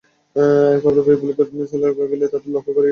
খবর পেয়ে পুলিশ ঘটনাস্থলে গেলে তাদের লক্ষ্য করেও ইটপাটকেল ছুড়তে থাকে।